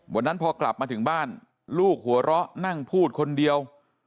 วันนั้นพอกลับมาถึงบ้านลูกหัวเราะนั่งพูดคนเดียว